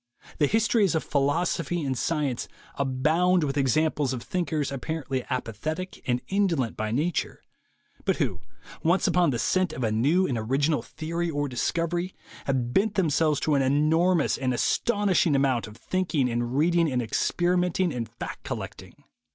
The histories of philosophy and science abound with examples of thinkers apparently apathetic and in dolent by nature, but who, once upon the scent of a new and original theory or discovery, have bent themselves to an enormous and astounding amount of thinking and reading and experimenting and fact collecting.